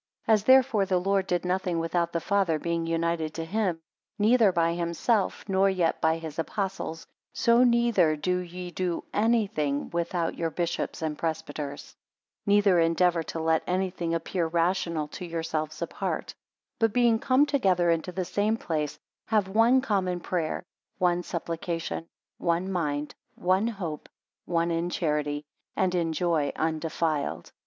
8 As therefore the Lord did nothing without the Father, being united to him; neither by himself nor yet by his Apostles, so neither do ye do anything without your bishop and presbyters: 9 Neither endeavour to let anything appear rational to yourselves apart; 10 But being come together into the same place, have one common prayer; one supplication; one mind; one hope; one in charity, and in joy undefiled.